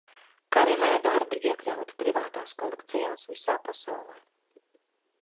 Karinē darbi iekļauti privātās kolekcijās visā pasaulē.